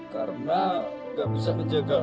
karena gak bisa menjaga